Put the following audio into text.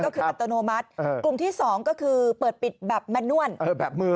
ก็คืออัตโนมัติกลุ่มที่สองก็คือเปิดปิดแบบแมนนวลแบบมือ